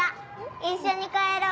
一緒に帰ろう。